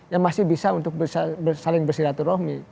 ya masih bisa untuk saling bersiratu rohmi